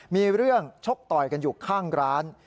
มีเรื่องชกต่อยกันอยู่ข้างร้าน